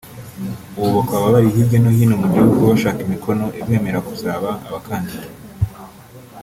ubu bakaba bari hirya no hino mu gihugu bashaka imikono ibemerera kuzaba abakandida